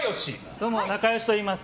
どうも、なかよしといいます。